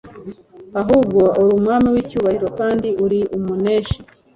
ahubwo ari Umwami w'icyubahiro kandi ari umuneshi;